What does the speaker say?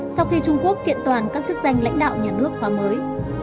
sau khi trung quốc kiện toàn các chức danh lãnh đạo nhà nước khóa mới